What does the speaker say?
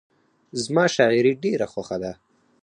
زما شاعري ډېره خوښه ده.